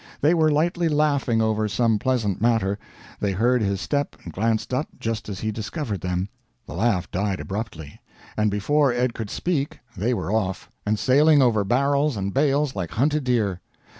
They were lightly laughing over some pleasant matter; they heard his step, and glanced up just as he discovered them; the laugh died abruptly; and before Ed could speak they were off, and sailing over barrels and bales like hunted deer.